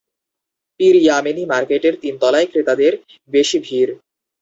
পীর ইয়ামেনী মার্কেটের তিনতলায় ক্রেতাদের বেশি ভিড়।